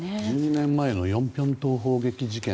１２年前のヨンピョン島砲撃事件。